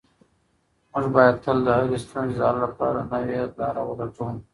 موږ باید تل د هرې ستونزې د حل لپاره نوې لاره ولټوو.